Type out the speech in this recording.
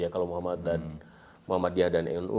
kalau muhammadiyah dan nu